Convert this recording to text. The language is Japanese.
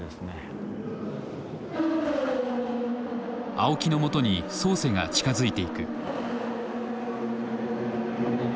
青木のもとにソーセが近づいていく。